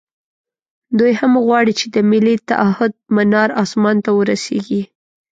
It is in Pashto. دوی هم غواړي چې د ملي تعهُد منار اسمان ته ورسېږي.